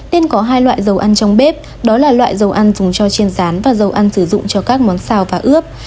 nên có hai loại dầu ăn trong bếp đó là loại dầu ăn dùng cho trên rán và dầu ăn sử dụng cho các món sao và ướp